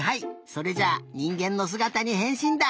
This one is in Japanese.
それじゃあにんげんのすがたにへんしんだ！